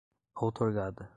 outorgada